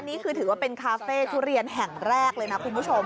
นี่คือถือว่าเป็นคาเฟ่ทุเรียนแห่งแรกเลยนะคุณผู้ชม